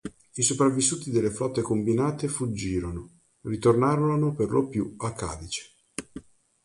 I sopravvissuti delle flotte combinate fuggirono, ritornando perlopiù a Cadice.